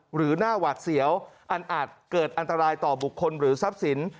หรือหน้าหวาดเสียวอันอาจเกิดอันตรายต่อบุคคลหรือทรัพย์สิน